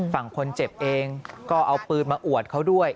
ฝั่งคนเจ็บเองก็เอาปืนมาอวดเขาด้วย